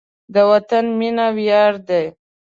د وطن مینه ویاړ دی.